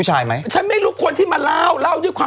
ฉันก็ไม่รู้ฉันก็ไม่ได้เจอกเขา